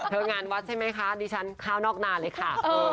งานวัดใช่ไหมคะดิฉันข้าวนอกนาเลยค่ะ